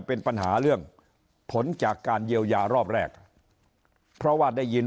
เป็นปัญหาเรื่องผลจากการเยียวยารอบแรกเพราะว่าได้ยิน